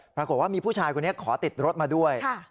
ปรากฏว่ามีผู้ชายคนนี้ขอติดรถมาด้วย